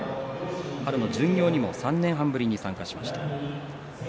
春の巡業にも３年半ぶりに参加しました。